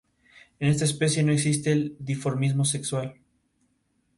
En esta especie no existe el dimorfismo sexual.